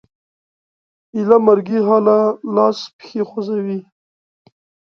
ایله مرګي حاله لاس پښې خوځوي